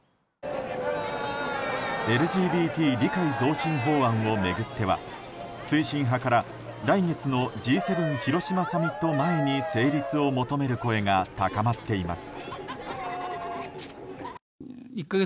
ＬＧＢＴ理解増進法案を巡っては推進派から来月のＧ７広島サミット前に成立を求める声が高まっています。